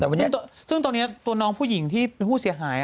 แต่วันนี้ซึ่งตอนนี้ตัวน้องผู้หญิงที่เป็นผู้เสียหาย